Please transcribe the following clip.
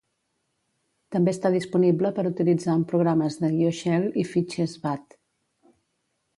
També està disponible per utilitzar amb programes de guió shell i fitxers BAT.